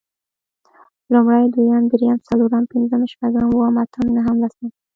لومړی، دويم، درېيم، څلورم، پنځم، شپږم، اووم، اتم، نهم، لسم